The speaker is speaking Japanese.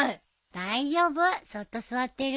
大丈夫そっと座ってるから。